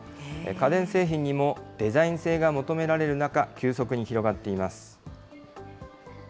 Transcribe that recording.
家電製品にもデザイン性が求められる中、急速に広がっています。